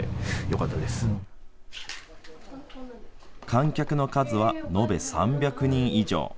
観客の数は延べ３００人以上。